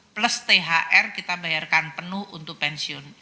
plus thr kita bayarkan penuh untuk pensiun